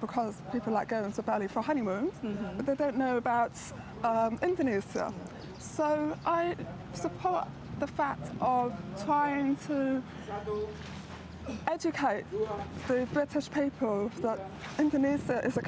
berapa lama anda berlatih untuk menjadi seorang pencaksulat